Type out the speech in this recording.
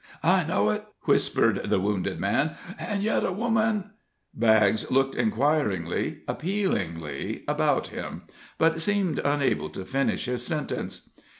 "I know it," whispered the wounded man; "an' yet a woman " Baggs looked inquiringly, appealingly about him, but seemed unable to finish his sentence.